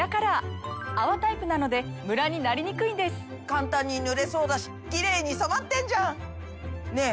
簡単に塗れそうだしキレイに染まってんじゃん！ねぇ